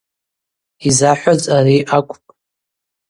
Йзахӏваз ари акӏвпӏ.